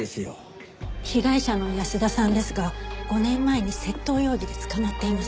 被害者の安田さんですが５年前に窃盗容疑で捕まっています。